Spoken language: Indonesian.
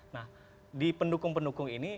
nah di pendukung pendukung ini